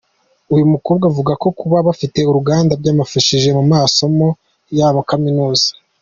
Uyu mukoba avuga ko kuba bafite uruganda byanabafashije mu masomo yabo muri Kaminuza.